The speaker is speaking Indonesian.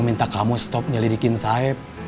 mau minta kamu stop nyelidikin saeb